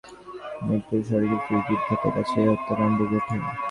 আজ শুক্রবার সন্ধ্যায় গোবরচাপা মিঠাপুর সড়কের ফিরোজের ইটভাটার কাছে এ হত্যাকাণ্ড ঘটে।